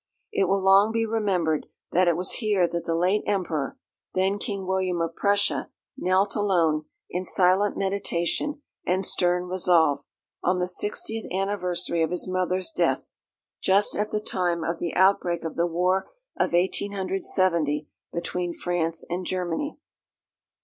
It will long be remembered that it was here that the late Emperor, then King William of Prussia, knelt alone, in silent meditation and stern resolve, on the sixtieth anniversary of his mother's death, just at the time of the outbreak of the war of 1870 between France and Germany.